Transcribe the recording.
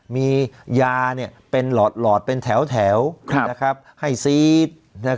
มียานี่เป็นหลอดหลอดเป็นแถวนะครับให้ซีด